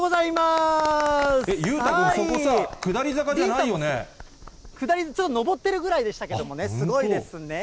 裕太君、そこさ、下り坂じゃ下り、ちょっと上ってるぐらいでしたけどね、すごいですね。